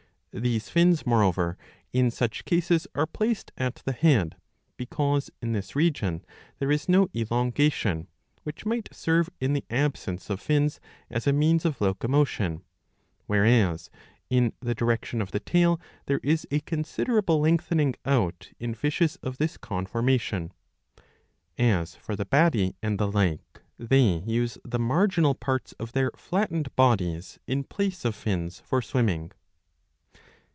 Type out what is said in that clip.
These fins, moreover, in such cases are placed at the head, because in. this region there is no elongation, which might serve in the absence of fins as a means of locomotion ; whereas in the direction of the tail there is a considerable lengthening out in fishes of this conformation. As for the Bati and the like, they 696 a. IV. 13 137 use the marginal parts of their flattened bodies in place of fins for swimming.